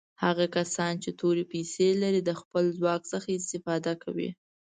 هغه کسان چې تورې پیسي لري د خپل ځواک څخه استفاده کوي.